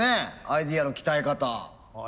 アイデアの鍛え方。